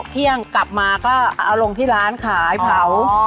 เที่ยงกลับมาก็เอาลงที่ร้านขายเผา